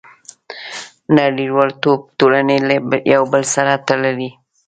• نړیوالتوب ټولنې له یو بل سره تړلي.